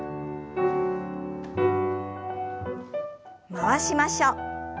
回しましょう。